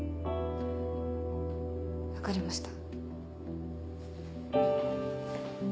分かりました。